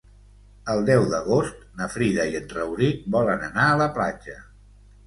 El deu d'agost na Frida i en Rauric volen anar a la platja.